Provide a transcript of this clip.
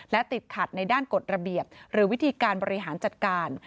และติดขัดในด้านกฎระเบียบหรือวิธีการบริหารจัดการ